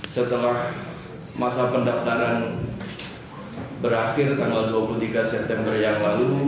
setelah masa pendaftaran berakhir tanggal dua puluh tiga september yang lalu